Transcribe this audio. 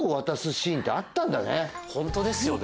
ホントですよね。